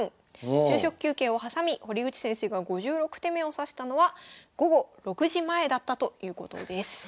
昼食休憩を挟み堀口先生が５６手目を指したのは午後６時前だったということです。